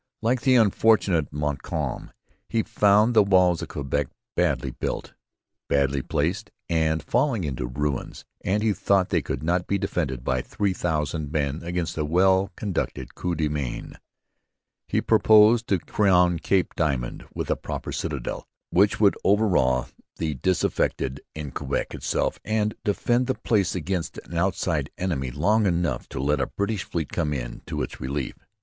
Like the unfortunate Montcalm he found the walls of Quebec badly built, badly placed, and falling into ruins, and he thought they could not be defended by three thousand men against 'a well conducted Coup de main.' He proposed to crown Cape Diamond with a proper citadel, which would overawe the disaffected in Quebec itself and defend the place against an outside enemy long enough to let a British fleet come up to its relief.